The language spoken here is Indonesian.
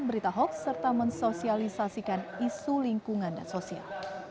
berita hoax serta mensosialisasikan isu lingkungan dan sosial